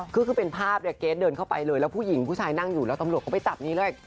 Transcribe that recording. จนภาพเกรทเดินเข้าไปเลยแล้วผู้หญิงผู้ชายนั่งอยู่แล้วตำรวจเขาไปจับนี้เลย